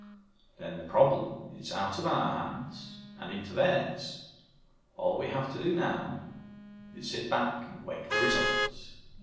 "Then the problem is out of our hands and into theirs. All we have to do now is sit back and wait for results."